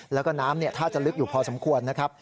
แล้วก็น้ำถ้าจะลึกอยู่พอสมควรนะครับ